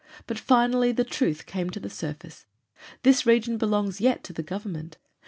But finally the truth came to the surface. This region belongs yet to the Government.